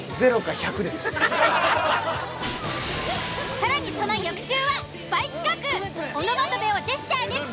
更にその翌週はスパイ企画。